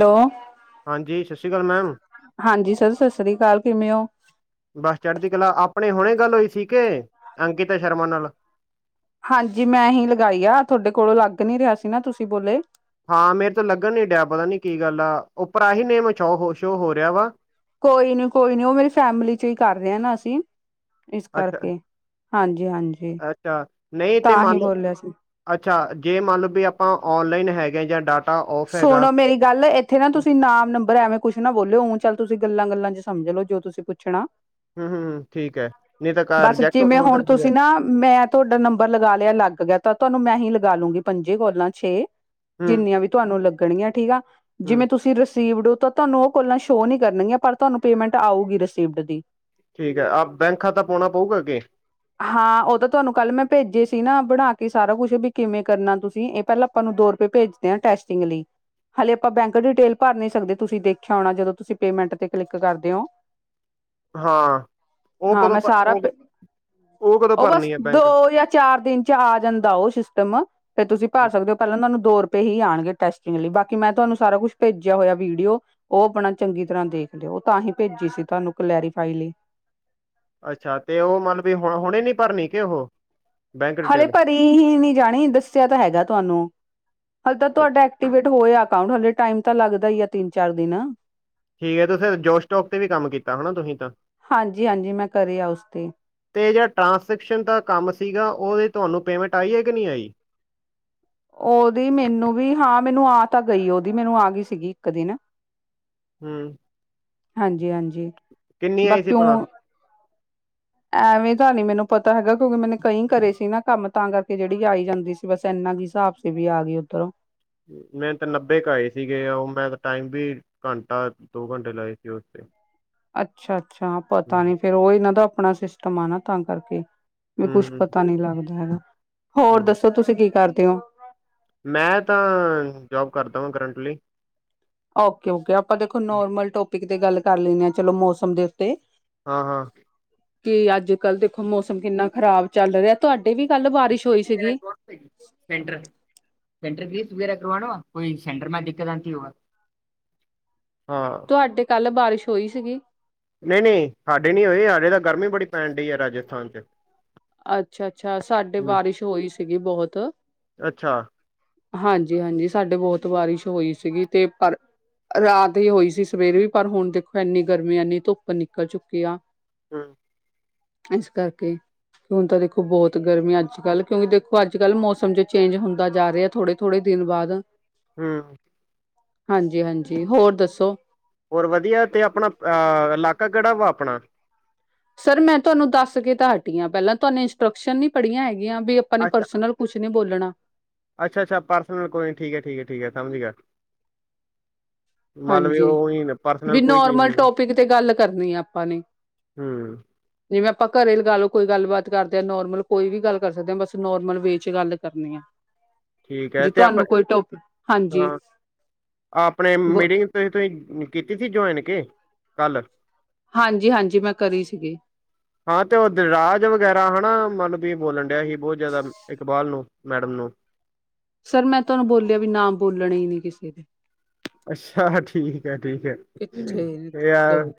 Hello. ਹਾਂਜੀ, ਸਤਿ ਸ਼੍ਰੀ ਅਕਾਲ ਮੈਮ। ਹਾਂਜੀ ਸਤਿ ਸ੍ਰੀ ਅਕਾਲ। ਕਿਵੇਂ ਔ? ਬਸ ਚੜ੍ਹਦੀ ਕਲਾ ਆਪਣੇ ਹੁਣੇ ਗੱਲ ਹੋਈ ਸੀ ਕੇ, ਅੰਕਿਤਾ ਸ਼ਰਮਾ ਨਾਲ। ਹਾਂਜੀ, ਮੈਂ ਹੀ ਲਗਾਈ ਆ ਥੋਡੇ ਕੋਲੋਂ ਲੱਗ ਨਹੀਂ ਰਿਹਾ ਸੀ ਨਾ, ਤੁਸੀਂ ਬੋਲੇ। ਹਾਂ, ਮੇਰੇ ਤੋ ਲੱਗਣ ਨੀ ਡਿਆ ਪਤਾ ਨੀ ਕੀ ਗੱਲ ਆ ਓਪਰ ਆਹੀ ਨੇਮ ਛੋਹ ਸ਼ੋਹ ਹੋ ਰਿਆ ਵਾ। ਕੋਈ ਨੀ ਕੋਈ ਨੀ ਓਹ ਮੇਰੀ ਫੈਮਿਲੀ ਚ ਹੀ ਕਰ ਰਏ ਨਾ ਅਸੀਂ। ਇਸ ਅੱਛਾ ਕਰਕੇ, ਹਾਂਜੀ ਹਾਂਜੀ ਅੱਛਾ ਨਹੀਂ ਤੇ ਤਾਂ ਹੀ ਮੰਨ ਲਓ ਬੋਲਿਆ ਸੀ। ਅੱਛਾ ਜੇ ਮੰਨ ਲੋ ਬੀ ਅਪਾਂ ਔਨਲਾਈਨ ਹੈਗੇ ਆ ਯਾ ਡਾਟ ਸੁਣੋ ਮੇਰੀ ਗੱਲ ਏ ਏਥੇ ਨਾ ਤੁਸੀਂ ਨਾਮ ਨੰਬਰ ਐਵੇਂ ਕੁੱਛ ਨਾ ਬੋਲੇਯੋ, ਉਂ ਚੱਲ ਤੁਸੀਂ ਗੱਲਾਂ-ਗੱਲਾਂ ਚ ਸਮਝ ਲੋ ਜੋ ਤੁਸੀਂ ਪੁੱਛਣਾ। ਹੂੰ ਹੂੰ, ਠੀਕ ਹੈ ਨਹੀਂ ਤਾਂ ਕਾਰ ਬਸ ਰਿਜੈਕਟ ਚਿਮੇਂ ਹੋ ਹੁਣ ਸਕਦੀ ਹੈ ਤੁਸੀਂ ਨਾ ਮੈਂ ਤੋਡਾ ਨੰਬਰ ਲਗਾ ਲਿਆ ਲੱਗ ਗਿਆ ਤਾਂ ਤੁਆਨੂੰ ਮੈਂ ਹੀ ਲਗਾ ਲੂੰਗੀ, ਪੰਜੇ ਕੋਲਾਂ ਛੇ ਹੂੰ ਜਿੰਨੀਆਂ ਵੀ ਤੁਆਨੂੰ ਲੱਗਣ ਗੀਆਂ ਠੀਕ ਆ, ਹੂੰ ਜਿਵੇਂ ਤੁਸੀਂ ਰਿਸੀਵਡ ਹੋ ਤਾਂ ਤਹਾਨੂੰ ਓਹ ਕੋੋਲਾਂ ਸ਼ੋ ਨੀ ਕਰਨਗੀਆਂ ਪਰ ਤੁਆਨੂੰ ਪੇਮੈਂਟ ਆਊਗੀ ਰਸੀਪਡ ਦੀ। ਠੀਕ ਹੈ, ਆਪ ਬੈਂਕ ਖਾਤਾ ਪਾਉਣਾ ਪਊਗਾ ਅੱਗੇ। ਹਾਂ ਉਹ ਤਾਂ ਤੁਹਾਨੂੰ ਕੱਲ੍ਹ ਮੈਂ ਭੇਜੇ ਸੀ ਨਾ, ਬਣਾ ਕੇ ਸਾਰਾ ਕੁਛ ਵੀ ਕਿਵੇਂ ਕਰਨਾ, ਤੁਸੀਂ ਇਹ ਪਹਿਲਾਂ ਤੁਹਾਨੂੰ ਦੋ ਰੁਪਏ ਭੇਜਦੇ ਹਾਂ ਟੈਸਟਿੰਗ ਲਈ। ਹਾਲੇ ਆਪਾਂ ਬੈਂਕ ਡਿਟੇਲ ਭਰ ਨੀ ਸਕਦੇ ਤੁਸੀਂ ਦੇਖਿਆ ਹੋਣਾ, ਜਦੋਂ ਤੁਸੀਂ ਪੇਮੈਂਟ'ਤੇ ਕਲਿੱਕ ਕਰਦੇ ਹੋ। ਹਾਂ, ਓ ਕਦੋਂ ਓ ਓ ਬਸ ਦੋ ਯਾਂ ਚਾਰ ਦਿਨ ਚਾ ਆ ਜਾਂਦਾ ਓ ਸਿਸਟਮ ਫੇਰ ਤੁਸੀਂ ਪਰ ਸਕਦੇ ਹੋ, ਪੈਲਾਂ ਓਨੂੰ ਦੋ ਰੁਪਏ ਹੀ ਆਣਗੇ। ਟੈਸਟਿੰਗ ਲਈ, ਬਾਕੀ ਮੈਂ ਤਹਾਨੂੰ ਸਾਰਾ ਕੁਛ ਭੇਜਿਆ ਹੋਇਆ ਵੀਡੀਓ। ਓ ਬਣਣ ਚੰਗੀ ਤਰ੍ਹਾਂ ਦੇਖ ਲਓ, ਓ ਤਾਂ ਹੀ ਪੇਜੀ ਸੀ ਤੁਆਨੂੰ ਕਲੈਰੀਫਾਈ ਲਈ। ਅੱਛਾ, ਤੇ ਓਹ ਮਲਬ ਵੀ ਹੁਣ ਹੁਣੇ ਨੀ ਪਰਨੀ ਕਿ ਓਹ ਹਲੇ ਪਰੀ ਹੀ ਨੀ ਜਾਣੀ, ਦੱਸਿਆ ਤਾਂ ਹੈਗਾ ਤਆਨੂੰ। ਹਲੇ ਤਾਂ ਤੁਆਡਾ ਐਕਟੀਵੇਟ ਹੋਇਆ ਅਕਾਊਂਂਟ, ਹੱਲੇ ਟਾਈਮ ਤਾਂ ਲੱਗਦਾ ਈ ਆ ਤਿੰਨ-ਚਾਰ ਦਿਨ। ਠੀਕ ਏ ਫਿਰ ਜੋਸ਼ਟਾਕ ਤੇ ਵੀ ਕੰਮ ਕੀਤਾ ਹੋਣਾ ਤੁਸੀਂ ਤਾ ਹਾਂਜੀ ਹਾਂਜੀ ਮੈਂ ਕਰਿਆ ਉਸ ਤੇ ਤੇ ਜੇੜਾ ਟੰਰਾਸਕ੍ਰਿਪਸ਼ਨ ਦਾ ਕੰਮ ਸੀਗਾ, ਉਹਦੀ ਤੁਹਾਨੂੰ ਪੇਮੈਂਟ ਆਈ ਏ‌ ਕੇ ਨਈ ਆਈ। ਓਦੀ ਮੇਨੂੰ ਵੀ ਹਾਂ, ਮੇਨੂੰ ਆ ਤਾਂ ਗਈ ਓਦੀ ਮੇਨੂੰ ਆਗੀ ਸੀਗੀ ਇੱਕ ਦਿ ਨਾ। ਹੂੰ। ਹਾਂਜੀ-ਹਾਂਜੀ। ਕਿੰਨੀ ਆਈ ਸੀ ਪਲਾ ਐਵੇਂ ਤਾਂ ਨੀ ਮੇਨੂੰ ਪਤਾ ਹੈਗਾ ਕਿਉਂਕਿ ਮੇਨ ਕਈ ਕਰੇ ਸੀ ਨਾ ਕੰਮ ਤਾਂ ਕਰਕੇ ਜੇੜੀ ਆਈ ਜਾਂਦੀ ਸੀ, ਬਸ ਏਨਾ ਕੀ ਸਾਬ ਵੀ ਆ ਗਈ ਓਧਰੋਂ। ਮੈਰੇ ਤੇ ਨੱਬੇ ਕ ਆਏ ਸੀਗੇ, ਓ ਮੈਂ ਤਾਂ ਟਾਈਮ ਵੀ ਕੰਟਾ-ਦੋ ਕੰਟੇ ਲਾਏ ਸੀ ਓਸਤੇ। ਅੱਛਾ-ਅੱਛਾ ਪਤਾ ਨੀ ਫੇਰ ਓ ਏਨਾਂ ਦਾ ਅਪਣਾ ਸਿਸਟਮ ਆ ਨਾ ਤਾਂ ਕਰਕੇ। ਵੀ ਕੁੱਛ ਹੂੰ ਪਤਾ ਨੀ ਲੱਗਦਾ ਹੈਗਾ, ਹੋਰ ਹੂੰ। ਦੱਸੋ ਤੁਸੀਂ ਕੀ ਕਰਦੇ ਔ? ਮੈਂ ਤਾਂ ਜੌਬ ਕਰਦਾ ਵਾਂ ਕਰੰਟਲੀ। ਓਕੇ-ਓਕੇ, ਆਪਾਂ ਦੇਖੋ ਨੋਰਮਲ ਟੋਪਿਕ ਤੇ ਗੱਲ ਕਰ ਲੈਂਣੇ ਆ ਚਲੋ ਮੌਸਮ ਦੇ ਉੱਤੇ। ਹਾਂ-ਹਾਂ। ਕਿ ਅੱਜ-ਕੱਲ੍ਹ ਦੇਖੋ, ਮੌਸਮ ਕਿੰਨਾ ਖ਼ਰਾਬ ਚੱਲ ਰੇਹਾ, ਤੁਆਡੇ ਵੀ ਕੱਲ੍ਹ ਬਾਰਿਸ਼ ਹੋਈ ਸੀਗੀ। ਸੈਂਟਰ ਸੈਂਟਰ ਵੀਸਟ ਵਗੈਰਾ ਕਰਾਵੋ ਲੋ ਆਪ ਕੋਈ ਸੈਂਟਰ ਮੈਂਡੀ ਕਰਾਂਤੀ ਹੋ ਆਪ ਹਾਂ। ਤੁਆਡੇ ਕੱਲ ਬਾਰਿਸ਼ ਹੋਈ ਸੀਗੀ। ਨਈ-ਨਈ ਸਾਡੇ ਨੀ ਹੋਈ, ਸਾਡੇ ਤਾਂ ਗਰਮੀ ਬੜੀ ਪੈਣ ਡਈ ਐ ਰਾਜਸਥਾਨ ਚ। ਅੱਛਾ-ਅੱਛਾ, ਸਾਡੇ ਹੂੰ ਬਾਰਿਸ਼ ਹੋਈ ਸੀਗੀ ਬੋਹਤ। ਅੱਛਾ ਹਾਂਜੀ-ਹਾਂਜੀ, ਸਾਡੇ ਬੋਹਤ ਬਾਰਿਸ਼ ਹੋਈ ਸੀਗੀ ਤੇ ਪਰ ਰਾਤ ਹੀ ਹੋਈ ਸੀ, ਸਵੇਰੇ ਵੀ ਪਰ ਹੁਣ ਦੇਖੋ, ਐੰਨੀ ਗਰਮੀ ਐਨੀ ਧੁੱਪ ਨਿਕਲ ਚੁੱਕੀ ਆ। ਹੂੰ। ਐਸ ਕਰਕੇ ਈ ਹੁਣ ਤਾਂ ਦੇਖੋ, ਬੋਹਤ ਗਰਮੀ ਅੱਜ-ਕੱਲ੍ਹ ਕਿਉਂਕਿ ਦੇਖੋ, ਅੱਜ-ਕੱਲ੍ਹ ਮੌਸਮ ਚ ਚੇਂਜ ਹੁੰਦਾ ਜਾ ਰੇਹਾ ਥੋੜੇ ਥੋੜੇ ਦਿਨ ਬਾਅਦ ਹੂੰ। ਹਾਂਜੀ-ਹਾਂਜੀ, ਹੋਰ ਦੱਸੋ। ਹੋਰ ਵਧੀਆ ਤੇ ਅਪਣਾ ਅ ਲਾਕਾ ਕੇੜਾ ਵਾ ਆਪਣਾ? ਸਰ, ਮੈਂ ਤੁਆਨੂੰ ਦੱਸ ਕੇ ਤਾਂ ਹਟੀ ਹਾਂ ਪੈਲਾਂ ਤੁਆਨੂੰ ਇੰਸਟਰਕਸ਼ਨ ਨੀ ਪੜ੍ਹੀਆਂ ਹੈਗੀਆਂ ਬੀ- ਆਪਾਂ ਨੇ ਪਰਸਨਲ ਕੁਛ ਨੀ ਬੋਲਣਾ। ਅੱਛਾ-ਅੱਛਾ, ਪਰਸਨਲ ਕੋਈ ਠੀਕ ਹੈ-ਠੀਕ ਹੈ-ਠੀਕ ਹੈ ਸਮਝ ਗਯਾ। ਵੀ ਹਾਂਜੀ, ਉਹੀ ਪਰਸਨਲ ਬੀ ਕੋਈ ਚੀਜ਼ ਨੋਰਮਲ ਨਹੀਂ ਟੋਪਿਕ ਤੇ ਗੱਲ ਕਰਨੀ ਆ ਆਪਾਂ ਨੇ। ਹੂੰ ਜਿਵੇਂ ਆਪਾਂ ਘਰੇ ਲਗਾ ਲਓ ਕੋਈ ਗੱਲਬਾਤ ਕਰਦੇ ਹਾਂ, ਨੋਰਮਲ ਕੋਈ ਵੀ ਗੱਲ ਕਰ ਸਕਦੇ ਹਾਂ, ਬਸ ਨੋਰਮਲ ਵੇ ਚ ਗੱਲ ਕਰਨੀ ਆ। ਠੀਕ ਹੈ ਜੇ ਤੇ ਆਪ ਤੁਹਾਨੂੰ ਕੋਈ ਟੋਕ ਹਾਂਜੀ ਹਾਂ ਆਪਣੇ ਬ ਮੀਟਿੰਗ ਤੁਹੀ ਤੁਸੀਂ ਕੀਤੀ ਸੀ ਜੋਏਨ ਕੇ ਕੱਲ੍ਹ ਹਾਂਜੀ-ਹਾਂਜੀ ਮੈਂ ਕਰੀ ਸੀਗੀ। ਹਾਂ ਤੇ ਓ ਦਿਲਰਾਜ ਵਗੈਰਾ ਹਨਾ ਮਤਲਬ ਵੀ ਬੋਲਣ ਡਿਆ ਸੀ ਬਹੁ ਜ਼ਾਦਾ ਇਕਬਾਲ ਨੂੰ। ਮੈਡਮ ਨੂੰ। ਸਰ ਮੈਂ ਤਾਨੂੰ ਬੋਲੇਆ ਵੀ ਨਾਮ ਬੋਲਨੇ ਈ ਨੀ ਕਿਸੇ ਦੇ। ਅੱਛੇਆ ਠੀਕ ਐ-ਠੀਕ ਐ, ਕਿੱਥੇ ਓ ਯਾਰ ਲੋਕ